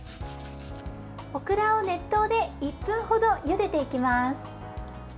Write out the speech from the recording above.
オクラを熱湯で１分程ゆでていきます。